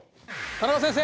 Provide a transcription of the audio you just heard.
田中先生